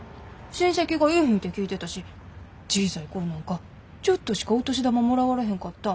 親戚がいいひんて聞いてたし小さい頃なんかちょっとしかお年玉もらわれへんかったん！